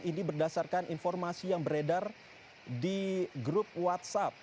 ini berdasarkan informasi yang beredar di grup whatsapp